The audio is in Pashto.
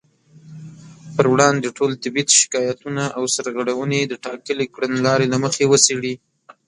پر وړاندې ټول طبي شکايتونه او سرغړونې د ټاکلې کړنلارې له مخې وڅېړي